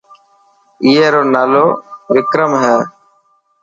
اي رو نالو وڪرم هي.